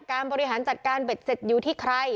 บริหารจัดการเบ็ดเสร็จอยู่ที่ใคร